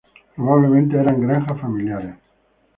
Probablemente eran granjas familiares.